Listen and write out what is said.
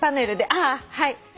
「ああはい」